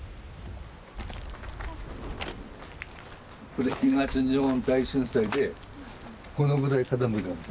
これ東日本大震災でこのぐらい傾いたんだ。